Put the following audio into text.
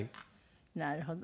なるほど。